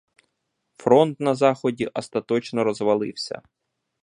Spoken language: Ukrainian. Фронт на заході остаточно розвалився.